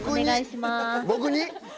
僕に？